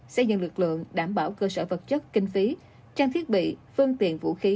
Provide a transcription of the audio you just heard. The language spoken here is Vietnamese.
xây dựng lực lượng đảm bảo cơ sở vật chất kinh phí trang thiết bị phương tiện vũ khí